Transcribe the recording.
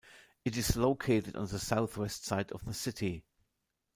It is located on the southwest side of the city.